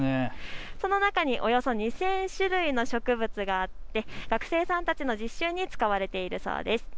その中におよそ２０００種類の植物があって学生さんたちの実習に使われているそうです。